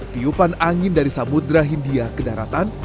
tiupan angin dari samudra hindia kedaratan